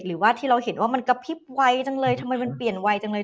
หรือว่าที่เราเห็นว่ามันกระพริบไวจังเลยทำไมมันเปลี่ยนไวจังเลย